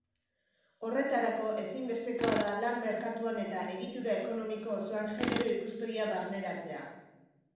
Horretarako, ezinbestekoa da lan-merkatuan eta egitura ekonomiko osoan genero ikuspegia barneratzea.